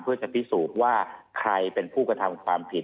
เพื่อจะพิสูจน์ว่าใครเป็นผู้กระทำความผิด